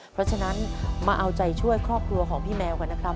เพราะฉะนั้นมาเอาใจช่วยครอบครัวของพี่แมวกันนะครับ